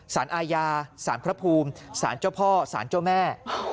ศาลอาญาศาลพระภูมิศาลเจ้าพ่อศาลเจ้าแม่